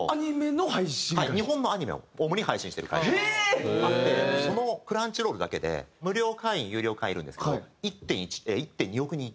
日本のアニメを主に配信してる会社があってそのクランチロールだけで無料会員有料会員いるんですけど１．２億人。